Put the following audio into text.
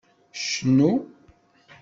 Cnu.